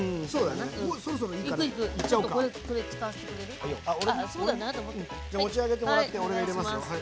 じゃあ持ち上げてもらって俺が入れますよ。